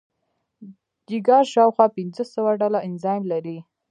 جگر شاوخوا پنځه سوه ډوله انزایم لري.